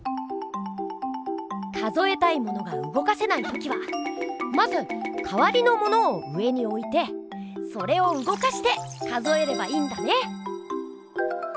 数えたいものがうごかせない時はまずかわりのものを上においてそれをうごかして数えればいいんだね！